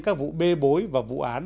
các vụ bê bối và vụ án